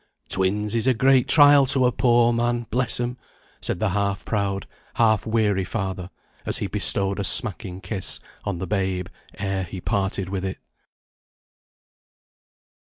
"Twins is a great trial to a poor man, bless 'em," said the half proud, half weary father, as he bestowed a smacking kiss on the babe ere he parted with it.